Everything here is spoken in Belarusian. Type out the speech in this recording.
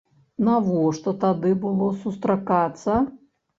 Навошта тады было сустракацца?